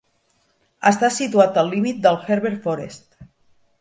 Està situat al límit del Herber Forest.